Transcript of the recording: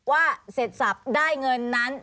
ว่าเสร็จศัพท์ได้เงินนั้น